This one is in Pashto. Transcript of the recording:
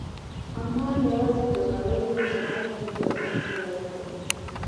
عمان یوازې د کالیو په صنعت کې پرمخ تللی نه دی.